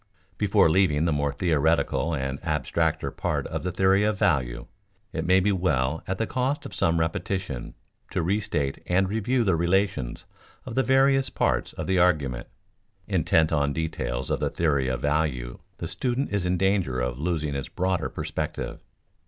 _ Before leaving the more theoretical and abstracter part of the theory of value, it may be well, at the cost of some repetition, to restate and review the relations of the various parts of the argument. Intent on details of the theory of value the student is in danger of losing its broader perspective.